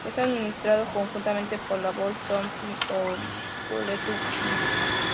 Está administrado conjuntamente por la "Boyce Thompson Arboretum, Inc.